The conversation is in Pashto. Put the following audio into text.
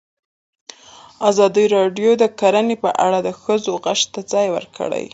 ازادي راډیو د کرهنه په اړه د ښځو غږ ته ځای ورکړی.